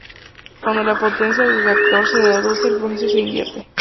Cuando la potencia del reactor se reduce, el proceso se invierte.